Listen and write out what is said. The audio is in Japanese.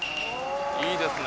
いいですね